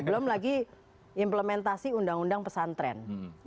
belum lagi implementasi undang undang pesantren